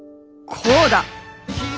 「こうだ！」。